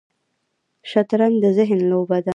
شطرنج د ذهن لوبه ده